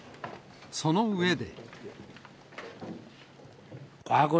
その上で。